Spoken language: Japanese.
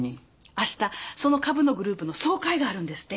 あしたその株のグループの総会があるんですって。